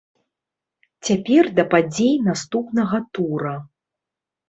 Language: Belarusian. Цяпер да падзей наступнага тура.